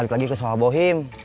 balik lagi ke soal bohim